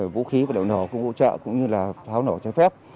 vũ khí và lổ lổ hỗ trợ cũng như là pháo lổ trái phép